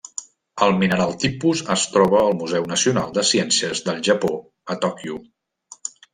El mineral tipus es troba al Museu Nacional de Ciències del Japó a Tòquio.